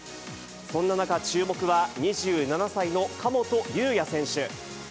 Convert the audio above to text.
そんな中、注目は２７歳の神本雄也選手。